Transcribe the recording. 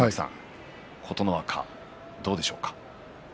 琴ノ若、どうでしょうか。